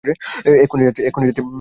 এক্ষুণি যাচ্ছি, ঠিক আছে?